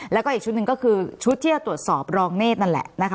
แล้วก็อีกชุดหนึ่งก็คือชุดที่จะตรวจสอบรองเนธนั่นแหละนะคะ